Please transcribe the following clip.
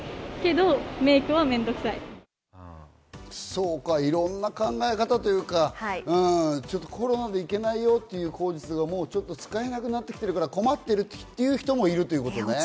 そうか、いろんな考え方というか、コロナで行けないよという口実が使えなくなってきてるから困っているという人もいるということね。